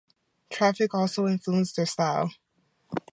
Traffic also strongly influenced their style.